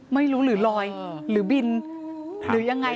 หรือลอยหรือบินหรือยังไง